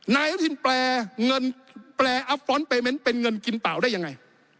นายอนุทินแปลอัพฟรอนต์เปรย์เม้นเป็นเงินกินเปล่าได้ยังไง